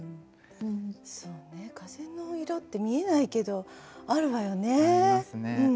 そうね風の色って見えないけどあるわよねえ。